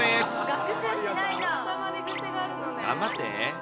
学習しないな。頑張って。